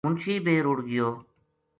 منشی بے رُڑ گیو